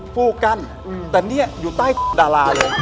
ปุ๊กบอร์